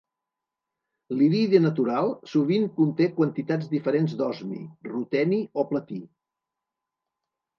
L'iridi natural sovint conté quantitats diferents d'osmi, ruteni o platí.